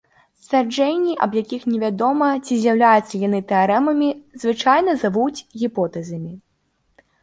Сцвярджэнні, аб якіх невядома, ці з'яўляюцца яны тэарэмамі, звычайна завуць гіпотэзамі.